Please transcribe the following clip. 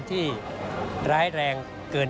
ส่วนต่างกระโบนการ